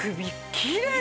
きれい！